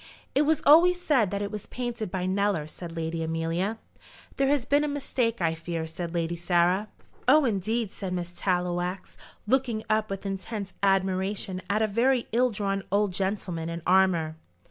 "It was always said that it was painted by Kneller," said Lady Amelia. "There has been a mistake, I fear," said Lady Sarah. "Oh, indeed," said Miss Tallowax, looking up with intense admiration at a very ill drawn old gentleman in armour.